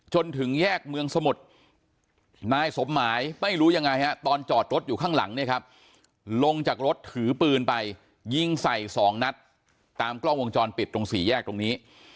จนถึงแยกเมืองสมุทรนายสมหมายไม่รู้ยังไงฮะตอนจอดรถอยู่ข้างหลังเนี่ยครับลงจากรถถือปืนไปยิงใส่๒นัดตามกล้องวงจรปิดตรงสี่แยกตรงนี้